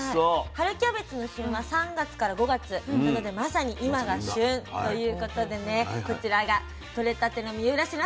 春キャベツの旬は３月から５月なのでまさにいまが旬ということでねこちらが取れたての三浦市の春キャベツです。